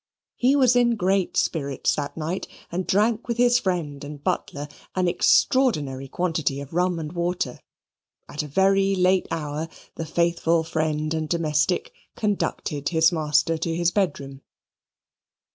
He was in great spirits that night, and drank with his friend and butler an extraordinary quantity of rum and water at a very late hour the faithful friend and domestic conducted his master to his bedroom.